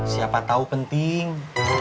siapa tau penting